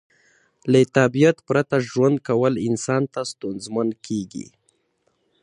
له طبیعت پرته ژوند کول انسان ته ستونزمن کیږي